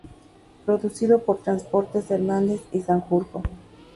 Producido por Transportes Hernández y Sanjurjo.